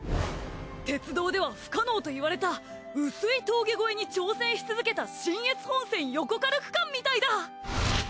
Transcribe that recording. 鉄道では不可能といわれた碓氷峠越えに挑戦し続けた信越本線横軽区間みたいだ！